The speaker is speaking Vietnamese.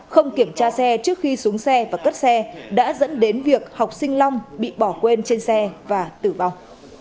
không kiểm tra xe trước khi xuống xe và cất xe đã dẫn đến việc học sinh long bị bỏ quên trên xe và tử vong